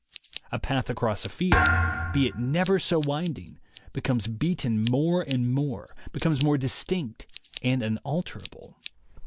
A path across a field, be it never so winding, be comes beaten more and more, becomes more dis tinct and unalterable.